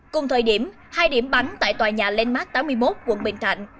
cùng thời điểm hai điểm bắn tại tòa nhà landmark tám mươi một quận bình thạnh